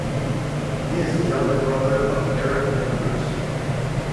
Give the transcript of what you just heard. He is the younger brother of Eric Lindros.